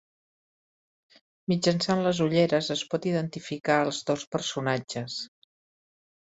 Mitjançant les ulleres es pot identificar als dos personatges.